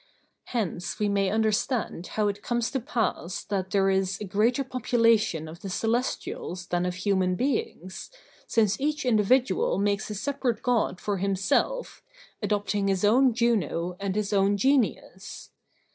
Hence we may understand how it comes to pass that there is a greater population of the Celestials than of human beings, since each individual makes a separate God for himself, adopting his own Juno and his own Genius.